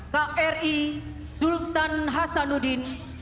kri sultan hasanuddin